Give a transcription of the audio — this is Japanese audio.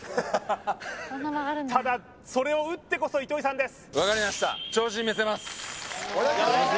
ただそれを打ってこそ糸井さんです